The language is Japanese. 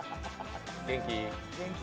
元気？